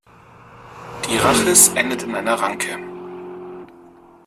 Die Rhachis endet in einer Ranke.